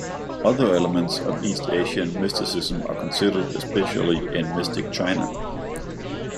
Other elements of East Asian mysticism are considered, especially in "Mystic China".